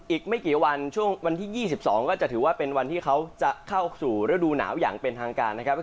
อีกไม่กี่วันช่วงวันที่๒๒ก็จะถือว่าเป็นวันที่เขาจะเข้าสู่ฤดูหนาวอย่างเป็นทางการนะครับ